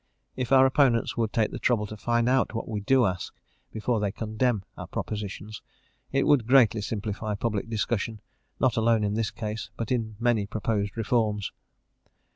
If our opponents would take the trouble to find out what we do ask, before they condemn our propositions, it would greatly simplify public discussion, not alone in this case, but in many proposed reforms.